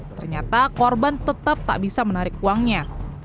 ternyata korban tetap tak bisa menarik uangnya